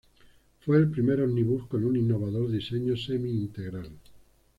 Fue el primer ómnibus con un innovador diseño semi-integral.